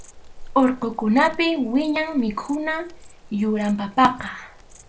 Urqukunapi wiñaq mikhuna yuram papaqa.